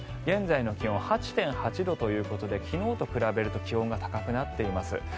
現在の気温８．８度ということで昨日と比べると気温が高くなっています。